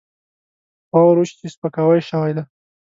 غور وشي چې سپکاوی شوی دی.